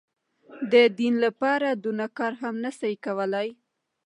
د دين لپاره دونه کار هم نه سي کولاى.